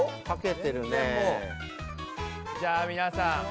じゃあ皆さん。